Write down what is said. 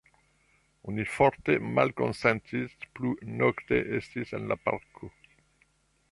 Oni forte malkonsentis plu nokte esti en la parko.